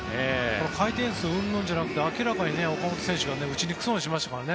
回転数云々じゃなくて、明らかに岡本選手が打ちにくそうにしていましたから。